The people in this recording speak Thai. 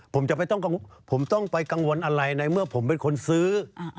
ผมจะไปกังวลอะไรในเมื่อผมเป็นคนซื้อ